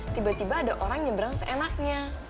tiba tiba ada orang nyebrang seenaknya